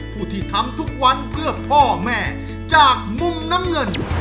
ผู้ที่ทำทุกวันเพื่อพ่อแม่จากมุมน้ำเงิน